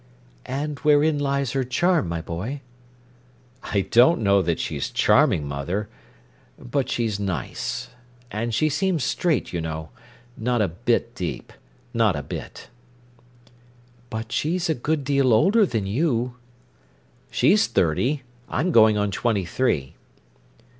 "And wherein lies her charm, my boy?" "I don't know that she's charming, mother. But she's nice. And she seems straight, you know—not a bit deep, not a bit." "But she's a good deal older than you." "She's thirty, I'm going on twenty three."